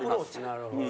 なるほど。